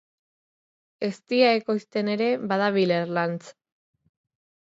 Eztia ekoizten ere badabil Erlanz.